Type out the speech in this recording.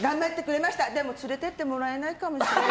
でも連れて行ってもらえないかもしれない。